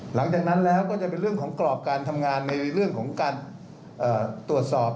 หลังจากนั้นแล้วก็จะเป็นเรื่องของกรอบการทำงานในเรื่องของการตรวจสอบ